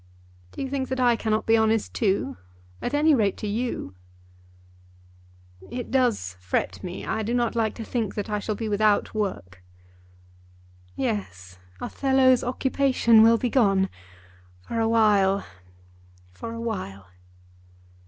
"Do you think that I cannot be honest too, at any rate to you? It does fret me. I do not like to think that I shall be without work." "Yes; Othello's occupation will be gone, for awhile; for awhile."